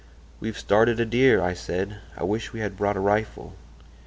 "'We've started a deer,' I said. 'I wish we had brought a rifle.